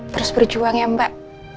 terus berjuang ya mbak